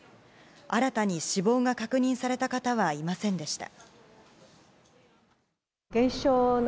新たに死亡が確認された方はいませんでした。